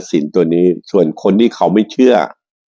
สินตัวนี้ส่วนคนที่เขาไม่เชื่อ